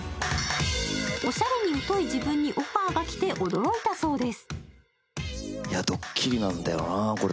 おしゃれにうとい自分にオファーが来て驚いたそうです。